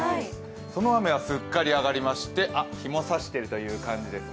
この雨はすっかり上がりまして日もさしているという感じです。